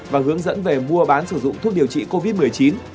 và hướng dẫn về mua bán sử dụng thuốc điều trị covid một mươi chín